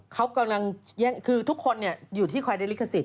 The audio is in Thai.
คัวตกลางเยี่ยงคือทุกคนเนี่ยอยู่ที่ควายเนลิคศิษย์